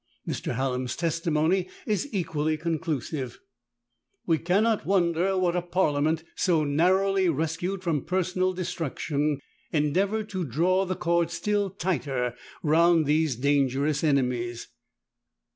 Mr. Hallam's testimony is equally conclusive: "We cannot wonder that a parliament so narrowly rescued from personal destruction, endeavoured to draw the cord still tighter round these dangerous enemies.